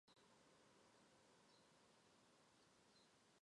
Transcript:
黄褐蛇根草是茜草科蛇根草属的植物。